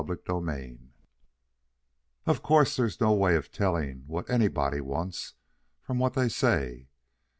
CHAPTER XIV "Of course, there's no way of telling what anybody wants from what they say."